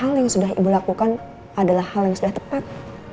karena hal yang sudah ibu lakukan adalah hal yang sudah tepat